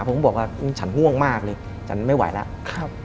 เพราะผมบอกว่าฉันห่วงมากเลยฉันไม่ไหวแล้ว